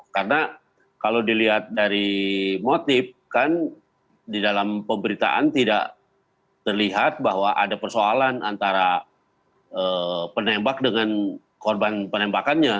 karena kalau dilihat dari motif kan di dalam pemberitaan tidak terlihat bahwa ada persoalan antara penembak dengan korban penembakannya